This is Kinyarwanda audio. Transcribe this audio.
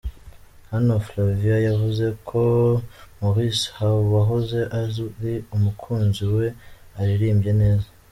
Hano Flavia yavuze ko Maurice wahoze ari umukunzi we aririmbye neza.